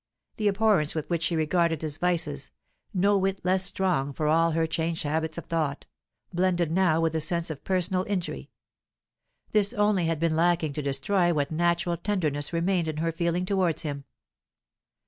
The abhorrence with which she regarded his vices no whit less strong for all her changed habits of thought blended now with the sense of personal injury; this only had been lacking to destroy what natural tenderness remained in her feeling towards him.